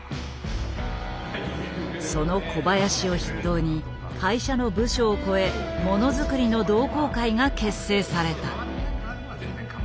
その小林を筆頭に会社の部署を超えものづくりの同好会が結成された。